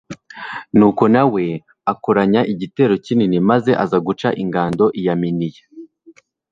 nuko na we akoranya igitero kinini maze aza guca ingando i yaminiya